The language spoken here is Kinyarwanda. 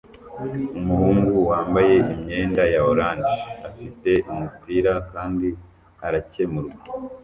Umuhungu wambaye imyenda ya orange afite umupira kandi arakemurwa